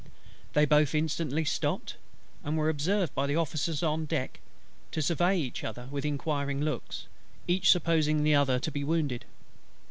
They both instantly stopped; and were observed by the Officers on deck to survey each other with inquiring looks, each supposing the other to be wounded.